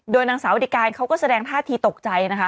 นางสาวอดิการเขาก็แสดงท่าทีตกใจนะคะ